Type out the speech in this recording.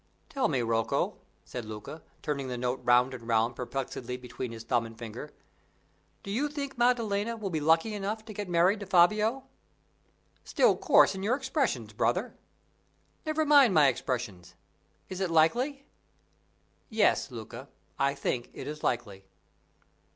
"Tell me, Rocco," said Luca, turning the note round and round perplexedly between his finger and thumb; "do you think Maddalena will be lucky enough to get married to Fabio?" "Still coarse in your expressions, brother!" "Never mind my expressions. Is it likely?" "Yes, Luca, I think it is likely."